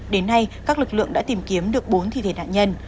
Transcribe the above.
đến nay các lực lượng đã tìm kiếm được bốn thi thể nạn nhân